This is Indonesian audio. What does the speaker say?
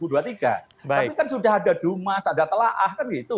itu sudah ada dumas ada telah kan gitu